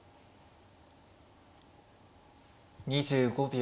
２５秒。